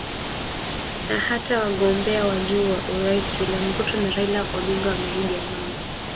Na hata wagombea wa juu wa urais William Ruto na Raila Odinga wameahidi amani.